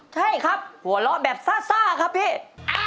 ใช่ครับหัวเราะแบบซ่าครับพี่